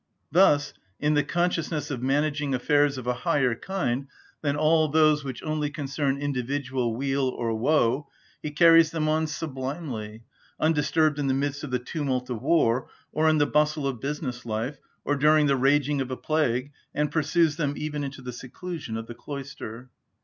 Thus, in the consciousness of managing affairs of a higher kind than all those which only concern individual weal or woe, he carries them on sublimely, undisturbed in the midst of the tumult of war, or in the bustle of business life, or during the raging of a plague, and pursues them even into the seclusion of the cloister.